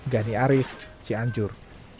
gani aris cianjur